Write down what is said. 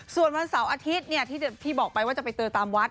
ส่วนวันเสาร์อาทิตย์ที่พี่บอกไปว่าจะไปเจอตามวัด